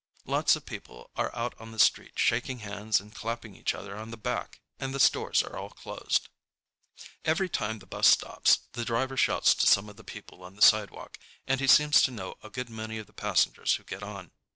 Lots of people are out on the street shaking hands and clapping each other on the back, and the stores are all closed. Every time the bus stops, the driver shouts to some of the people on the sidewalk, and he seems to know a good many of the passengers who get on.